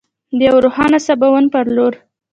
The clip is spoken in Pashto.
د یو روښانه سباوون په لور.